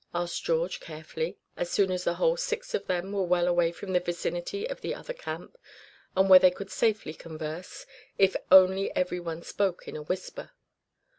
asked George, carefully, as soon as the whole six of them were well away from the vicinity of the other camp, and where they could safely converse, if only every one spoke in a whisper.